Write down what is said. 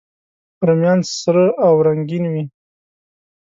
رومیان سره او رنګین وي